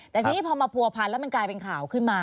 แต่ทีนี้พอมาผัวพันแล้วมันกลายเป็นข่าวขึ้นมา